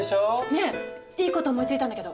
ねえいいこと思いついたんだけど。